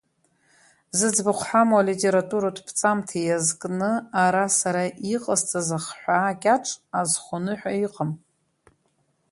Зыӡбахә ҳамоу алитературатә ԥҵамҭа иазкны ара сара иҟасҵаз ахҳәаа кьаҿ азхоны ҳәа иҟам.